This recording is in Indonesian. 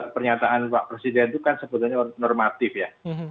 pernyataan pak presiden itu kan sebetulnya normatif ya